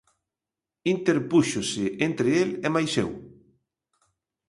Interpúxose entre el e máis eu.